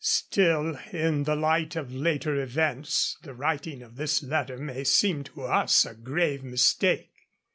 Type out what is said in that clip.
Still, in the light of later events, the writing of this letter may seem to us a grave mistake.